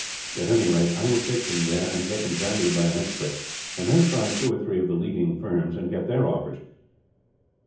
At any rate, I will take them there and get them valued by an expert; and then try two or three of the leading firms, and get their offers.